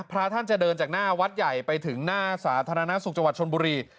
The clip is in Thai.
พระท่านจะเดินจากหน้าวัดใหญ่ไปถึงหน้าสาธารณสุขจังหวัดชนบุรี